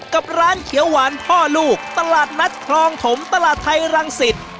กับร้านเขียวหวานพ่อลูกตลาดนัดครองถมตลาดไทยรังสิต